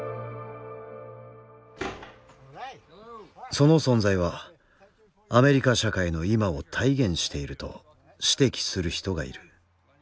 その存在はアメリカ社会の今を体現していると指摘する人がいる。